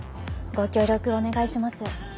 ご協力お願いします。